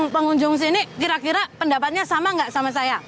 pengunjung sini kira kira pendapatnya sama nggak sama saya